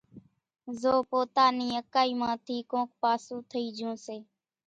زو پوتا نين اڪائي مان ٿي ڪونڪ پاسون ٿئي جھون ھوئي